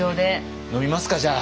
飲みますかじゃあ。